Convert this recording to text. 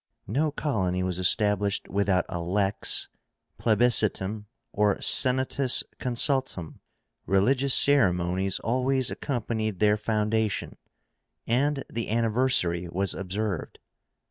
No colony was established without a lex, plebiscítum, or senatus consultum. Religious ceremonies always accompanied their foundation, and the anniversary was observed.